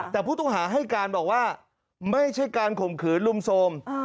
แต่ผู้ต้องหาให้การบอกว่าไม่ใช่การข่มขืนลุมโทรม